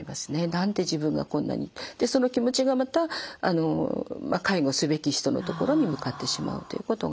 「何で自分がこんなに」ってその気持ちがまた介護すべき人のところに向かってしまうということがあります。